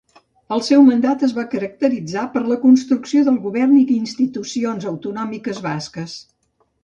El seu mandat es va caracteritzar per la construcció del govern i institucions autonòmiques basques.